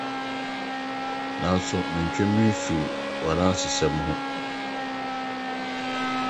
nanso mentwe memfirii w’adansesɛm ho.